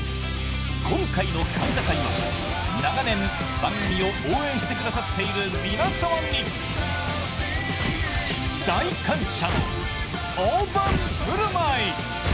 今回の「感謝祭」は長年、番組を応援してくださっている皆様に大感謝、大盤振る舞い！